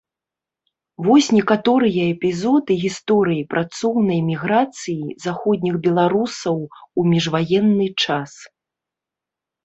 Вось некаторыя эпізоды гісторыі працоўнай міграцыі заходніх беларусаў у міжваенны час.